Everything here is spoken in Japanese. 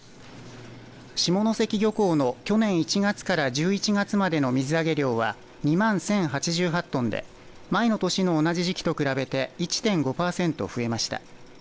下関漁港の去年１月から１１月までの水揚げ量は２万１０８８トンで前の年の同じ時期と比べて１．５パーセント増えました。